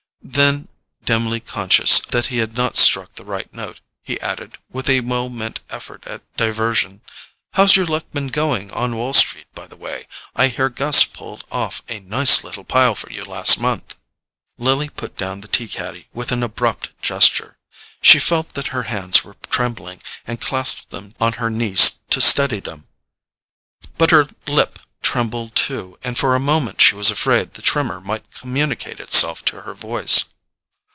Then, dimly conscious that he had not struck the right note, he added, with a well meant effort at diversion: "How's your luck been going in Wall Street, by the way? I hear Gus pulled off a nice little pile for you last month." Lily put down the tea caddy with an abrupt gesture. She felt that her hands were trembling, and clasped them on her knee to steady them; but her lip trembled too, and for a moment she was afraid the tremor might communicate itself to her voice.